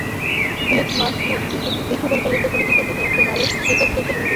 খালিদ মাহমুদ মিঠু পরিচালিত ছবিটিতেও তিনি একজন আলোকচিত্রীর চরিত্রে অভিনয় করেছেন।